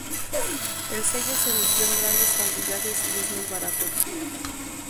El sello se emitió en grandes cantidades y es muy barato.